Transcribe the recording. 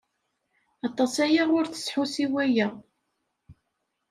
Aṭas aya ur tesḥus i waya.